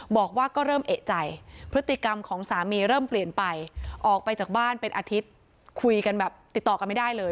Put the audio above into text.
บอกว่าก็เริ่มเอกใจพฤติกรรมของสามีเริ่มเปลี่ยนไปออกไปจากบ้านเป็นอาทิตย์คุยกันแบบติดต่อกันไม่ได้เลย